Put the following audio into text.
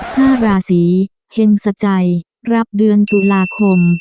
ห้าราศีเห็งสัจจัยรับเดือนตุลาคม